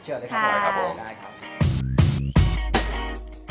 ได้ครับ